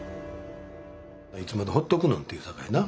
「いつまでほっとくの」って言うさかいな。